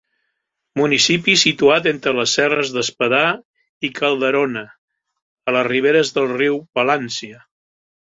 Municipi situat entre les serres d'Espadà i Calderona, a les riberes del riu Palància.